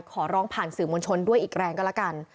ขอร้องผ่านสื่อมวลชนด้วยอีกแรงก็แล้วกัน